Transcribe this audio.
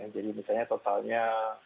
jadi misalnya totalnya